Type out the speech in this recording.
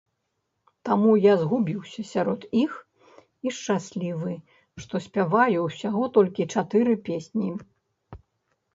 Таму я згубіўся сярод іх і шчаслівы, што спяваю ўсяго толькі чатыры песні.